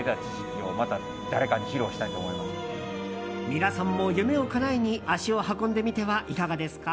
皆さんも夢をかなえに足を運んでみてはいかがですか。